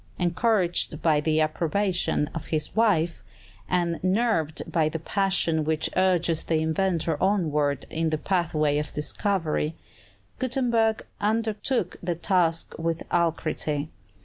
Encouraged by the approbation of his wife, and nerved by that passion which urges the inventor onward in the pathway of discovery, Gutenberg undertook the task with alacrity.